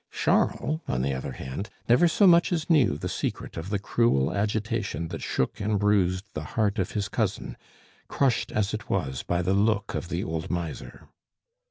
Charles, on the other hand, never so much as knew the secret of the cruel agitation that shook and bruised the heart of his cousin, crushed as it was by the look of the old miser.